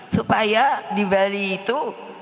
supaya di bali itu